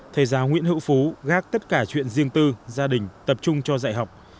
thầy giáo nguyễn hữu phú gác tất cả chuyện riêng tư gia đình tập trung cho dạy học